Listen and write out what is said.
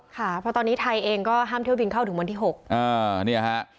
เพราะตอนนี้ไทยเองก็ห้ามเที่ยวบินเข้าถึงวันที่๖